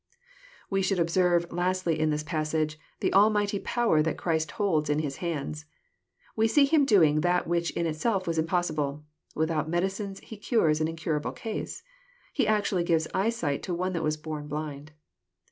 We should observe, lastly, in this passage, the almighty power that Christ holds in His hands. We see Him doing that which in itself was impossible. Without medicines He cures an incurable case. He actually gives eyesight to one that was born blind.